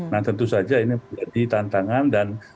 nah tentu saja ini menjadi tantangan dan